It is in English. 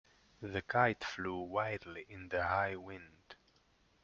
The kite flew wildly in the high wind.